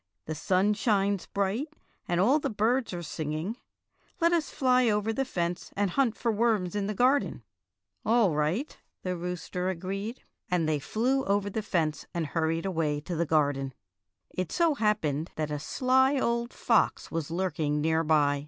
"The sun shines bright, and all the birds are singing. Let us fly over the fence and hunt for worms in the garden." "All right," the rooster agreed. And they 56 Fairy Tale Foxes flew over the fence and hurried away to the garden. It so happened that a sly old fox was lurking near by.